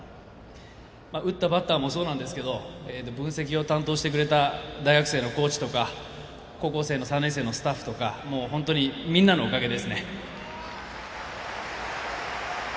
打ったバッターもそうですが分析を担当してくれた大学生のコーチとか高校生の３年生のスタッフとかみんなのおかげですね。